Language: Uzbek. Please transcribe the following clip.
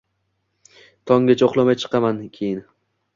Tonggacha uxlamay chiqaman keyin.